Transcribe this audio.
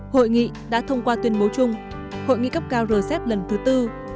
hội nghị đã thông qua tuyên bố chung hội nghị cấp cao rcep lần thứ tư